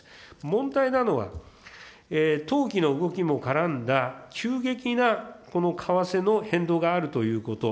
問題なのは、投機の動きも絡んだ急激なこの為替の変動があるということ。